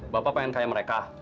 bapak pengen kayak mereka